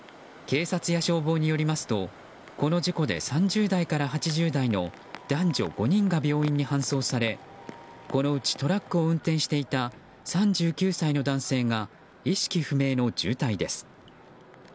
警察や消防によりますとこの事故で３０代から８０代の男女５人が病院に搬送されこのうちトラックを運転していた３９歳の男性が意識不明の重体です。